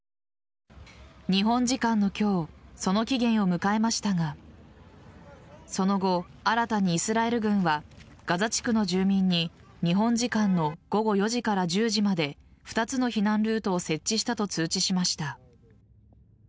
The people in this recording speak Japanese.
日本時間の今日その期限を迎えましたがその後、新たにイスラエル軍はガザ地区の住民に日本時間の午後４時から１０時まで２つの避難ルートを設置したと通知しました。